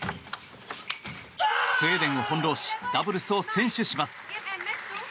スウェーデンを翻弄しダブルスを先取します。